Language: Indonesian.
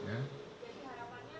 untuk praktisi undang undang terorisme